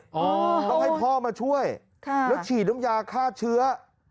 อ๋อโอ้โหต้องให้พ่อมาช่วยแล้วฉีดนมยาฆ่าเชื้อ